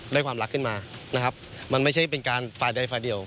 ได้ความรักขึ้นมานะครับมันไม่ใช่เป็นการฝ่ายใดฝ่ายเดียว